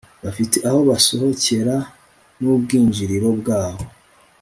bafite aho basohokera n'ubwinjiriro bwabo